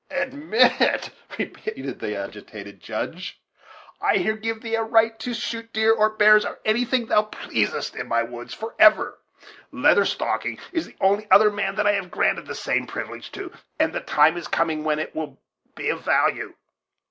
"Admit it!" repeated the agitated Judge; "I here give thee a right to shoot deer, or bears, or anything thou pleasest in my woods, forever. Leather Stocking is the only other man that I have granted the same privilege to; and the time is coming when it will be of value.